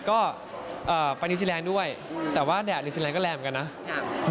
ก็ไปนิวซีแรงด้วยแต่ว่าแดดนิวซีแรงก็แรงเหมือนกันนะ